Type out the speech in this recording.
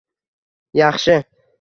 Yaxshi